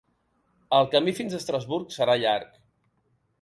El camí fins a Estrasburg serà llarg